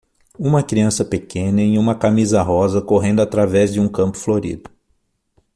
uma criança pequena em uma camisa rosa correndo através de um campo florido.